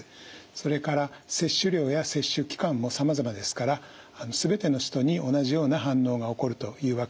それから摂取量や摂取期間もさまざまですから全ての人に同じような反応が起こるというわけではありません。